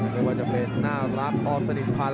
ไม่ว่าจะเป็นน่ารักอสนิทพันธ์